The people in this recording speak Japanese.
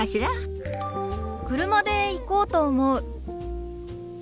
車で行こうと思う。